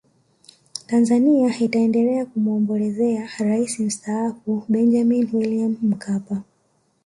tanzania itaendelea kumwombolezea rais mstaafu benjamin william mkapa